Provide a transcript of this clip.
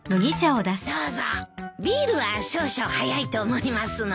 どうぞビールは少々早いと思いますので。